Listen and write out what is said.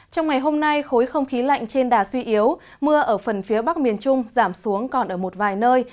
trong ngày hôm nay khối không khí lạnh trên đà suy yếu mưa ở phần phía bắc miền trung giảm xuống còn ở một vài nơi